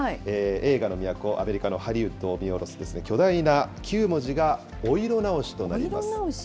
映画の都、アメリカのハリウッドを見下ろす、巨大な９文字がお色直しとなります。